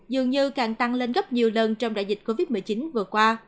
dường như càng tăng lên gấp nhiều lần trong đại dịch covid một mươi chín vừa qua